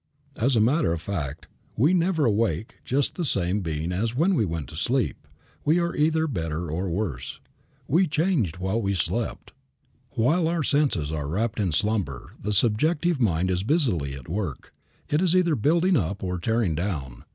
As a matter of fact we never awake just the same being as when we went to sleep. We are either better or worse. We changed while we slept. While our senses are wrapped in slumber, the subjective mind is busily at work. It is either building up or tearing down.